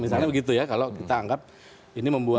misalnya begitu ya kalau kita anggap ini membuat